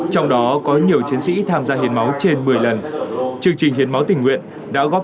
trong đó có nhiều chiến sĩ tham gia hiến máu trên một mươi lần chương trình hiến máu tình nguyện đã góp